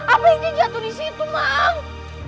apa ichi jatuh di situ mang